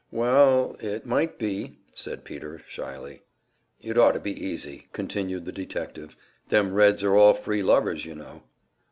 "Well it might be " said Peter, shyly. "It ought to be easy," continued the detective. "Them Reds are all free lovers, you know."